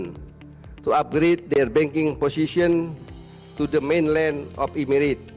untuk meningkatkan posisi banknya di wilayah utara emirat